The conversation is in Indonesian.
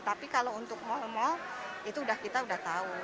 tapi kalau untuk mal mal itu kita sudah tahu